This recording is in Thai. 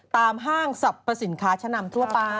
ตามห้างสับประสิทธิ์คาชะนำทั่วไป